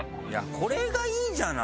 これがいいじゃない。